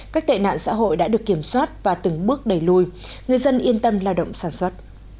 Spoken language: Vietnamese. các tệ nạn xã hội đã được kiểm soát và từng bước đẩy lùi người dân yên tâm lao động sản xuất